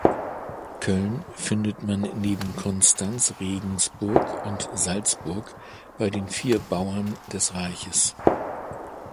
Köln findet man neben Konstanz, Regensburg und Salzburg bei den vier Bauern des Reiches.